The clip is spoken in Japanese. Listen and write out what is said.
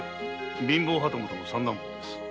貧乏旗本の三男坊です。